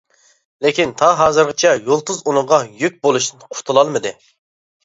لېكىن تا ھازىرغىچە يۇلتۇز ئۇنىڭغا يۈك بولۇشتىن قۇتۇلالمىدى.